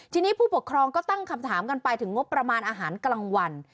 ทีนี้ผู้ปกครองก็ตั้งคำถามกันไปถึงงบประมาณอาหารกลางวัน